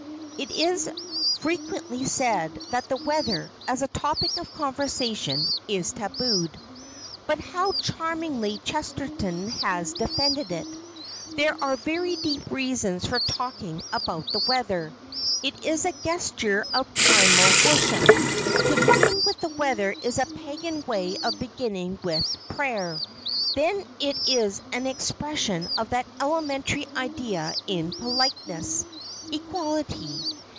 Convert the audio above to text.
It is frequently said that the weather, as a topic of conversation, is tabooed. But how charmingly Chesterton has defended it: "There are very deep reasons for talking about the weather ... it is a gesture of primeval worship ... to begin with the weather is a pagan way of beginning with prayer. Then it is an expression of that elementary idea in politeness—equality